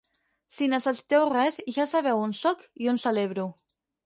Si necessiteu res, ja sabeu on sóc i on celebro.